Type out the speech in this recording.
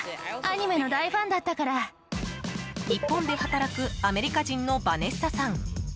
日本で働くアメリカ人のバネッサさん。